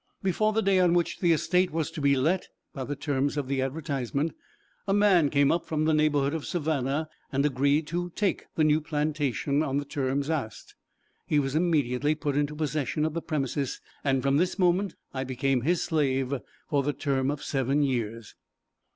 Before the day on which the estate was to be let, by the terms of the advertisement, a man came up from the neighborhood of Savannah, and agreed to take the new plantation, on the terms asked. He was immediately put into possession of the premises, and from this moment, I became his slave for the term of seven years.